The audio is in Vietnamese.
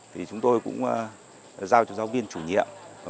thì chúng tôi cũng giao cho giáo viên chủ nhiệm